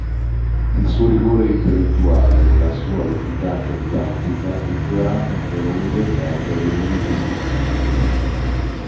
Il suo rigore intellettuale e la sua efficacia didattica riceveranno numerose e autorevoli testimonianze.